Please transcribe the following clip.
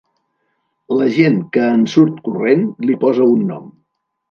La gent que en surt corrent, li posa un nom.